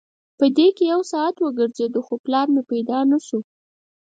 په دې کې یو ساعت وګرځېدو خو پلار مې پیدا نه شو.